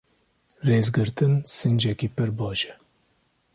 Rêzgirtin, sincekî pir baş e.